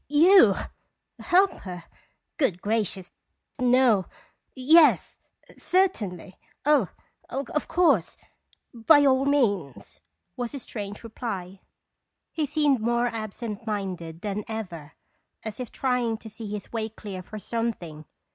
" You help her ! Good gracious no yes certainly oh! of course by all means," was his strange reply. He seemed more absent minded than ever, as if trying to see his way clear for something.